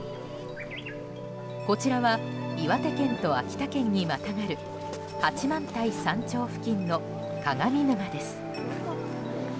こちらは岩手県と秋田県にまたがる八幡平山頂付近の鏡沼です。